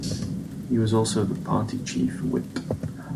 He was also the party Chief Whip.